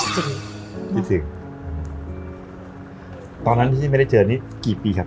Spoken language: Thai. จริงจริงตอนนั้นที่ไม่ได้เจอนี่กี่ปีแหละ